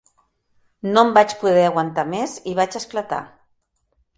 No em vaig poder aguantar més i vaig esclatar.